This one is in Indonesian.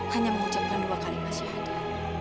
hanya mengucapkan dua kalimat syahadat